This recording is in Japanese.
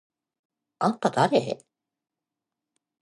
あんただれ？！？